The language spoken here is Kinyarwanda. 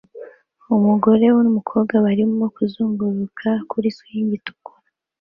Umugore numukobwa barimo kuzunguruka kuri swing itukura